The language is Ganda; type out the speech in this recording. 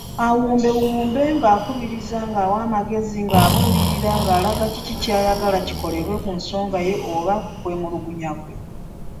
Awumbewumbe ng’akubiriza ng’awa amagezi, ng’abuulirira, ng’alaga kiki ky’ayagala kikolebwe ku nsonga ye oba ku kwemulugunya kwe.